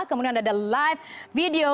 kemudian ada live video